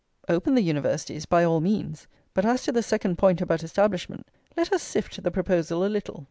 Open the Universities by all means; but, as to the second point about establishment, let us sift the proposal a little.